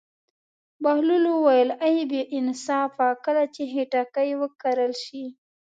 بهلول وویل: ای بې انصافه کله چې خټکی وکرل شي.